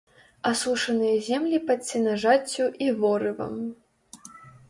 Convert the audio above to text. Асушаныя землі пад сенажаццю і ворывам.